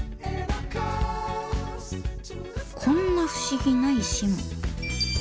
こんな不思議な石も。